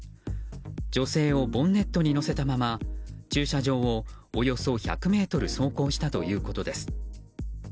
女性をボンネットに乗せたまま駐車場をおよそ１００ｍ走行したということです。